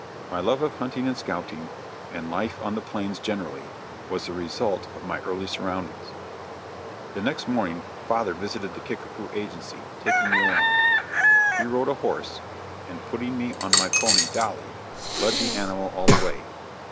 My love of hunting and scouting, and life on the plains generally, was the result of my early surroundings. The next morning father visited the Kickapoo agency, taking me along. He rode a horse, and putting me on my pony "Dolly," led the animal all the way.